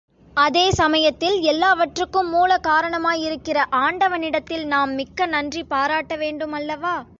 அதே சமயத்தில் எல்லாவற்றுக்கும் மூலகாரணமாயிருக்கிற ஆண்டவனிடத்தில் நாம் மிக்க நன்றி பாராட்ட வேண்டும் அல்லவா?